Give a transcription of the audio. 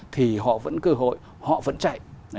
thì họ vẫn cơ hội họ vẫn chạy